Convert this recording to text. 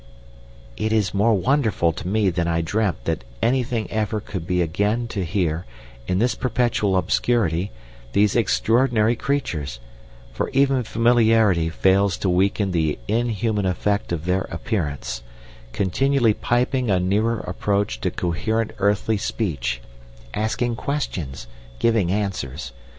"It is more wonderful to me than I dreamt that anything ever could be again, to hear, in this perpetual obscurity, these extraordinary creatures—for even familiarity fails to weaken the inhuman effect of their appearance—continually piping a nearer approach to coherent earthly speech—asking questions, giving answers.